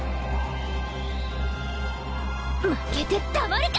負けてたまるか！